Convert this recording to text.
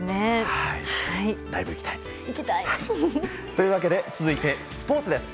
ライブ行きたい！というわけで続いてスポーツです。